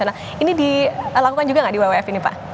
nah ini dilakukan juga nggak di wwf ini pak